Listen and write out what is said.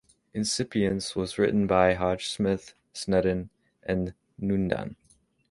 "Incipience" was written by Hodges, Smith, Snedden and Noonan.